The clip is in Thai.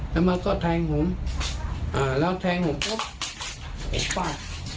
แล้วมันก็แทงผมแล้วแทงผมปลาด